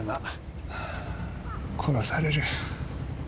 殺される。